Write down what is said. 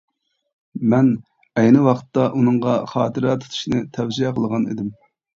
مەن ئەينى ۋاقىتتا ئۇنىڭغا خاتىرە تۇتۇشنى تەۋسىيە قىلغان ئىدىم.